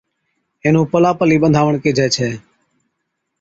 اينھُون پلا پلي ٻانڌاوڻ ڪيهجَي ڇَي